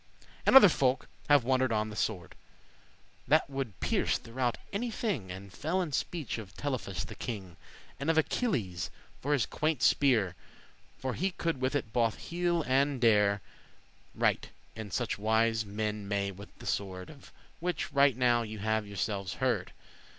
And other folk have wonder'd on the swerd,* *sword That woulde pierce throughout every thing; And fell in speech of Telephus the king, And of Achilles for his quainte spear, <17> For he could with it bothe heal and dere,* *wound Right in such wise as men may with the swerd Of which right now ye have yourselves heard.